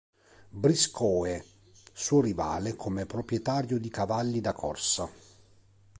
Briscoe, suo rivale come proprietario di cavalli da corsa.